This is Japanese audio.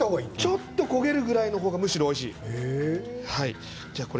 ちょっと焦げるぐらいの方が、むしろおいしい。